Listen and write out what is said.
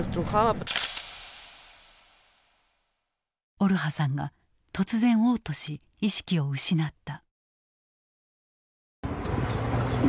オルハさんが突然おう吐し意識を失った。